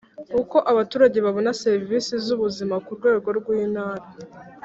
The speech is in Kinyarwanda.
Uko abaturage babona serivisi z ubuzima ku rwego rw Intara